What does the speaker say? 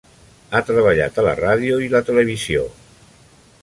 Ha treballat a la ràdio i la televisió.